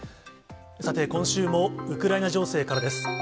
さて、今週もウクライナ情勢からです。